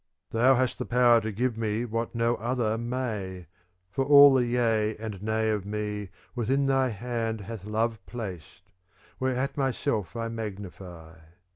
Thou hast the power to give me what no other may, For all the yea and nay of me within thy hand hath love placed ; whereat myself I magnify.